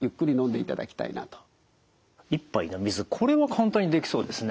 これは簡単にできそうですね。